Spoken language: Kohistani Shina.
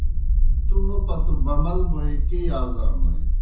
تُوْ موْ پتو بَمَل بوئے کیْہ یازانوئے؟